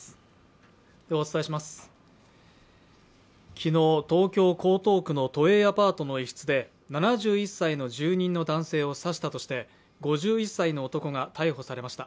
昨日、東京・江東区の都営アパートの一室で７１歳の住人の男性を刺したとして５１歳の男が逮捕されました。